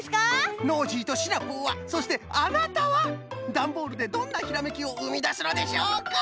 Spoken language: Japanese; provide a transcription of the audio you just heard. ノージーとシナプーはそしてあなたはダンボールでどんなひらめきをうみだすのでしょうか！